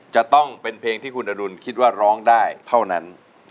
จะต้องเป็นเพลงที่คุณอดุลคิดว่าร้องได้เท่านั้น